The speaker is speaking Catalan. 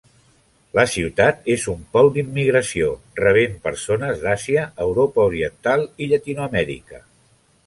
La ciutat és un pol d'immigració, rebent persones d'Àsia, Europa Oriental i Llatinoamèrica.